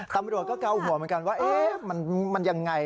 ตำรวจก็เกาหัวเหมือนกันว่า